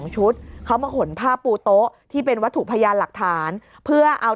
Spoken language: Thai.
ชุดเขามาขนผ้าปูโต๊ะที่เป็นวัตถุพยานหลักฐานเพื่อเอา